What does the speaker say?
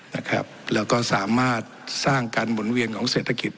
แล้วก็สามารถสร้างการหมุนเวียนของเศรษฐกิจ